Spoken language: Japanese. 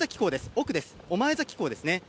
奥です、御前崎港ですね。